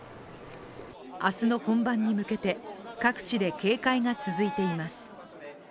明日の本番に向けて各地で警戒が続いています